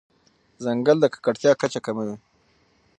ځنګل د ککړتیا کچه کموي.